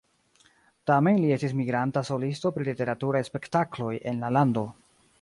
Tamen li estis migranta solisto pri literaturaj spektakloj en la lando.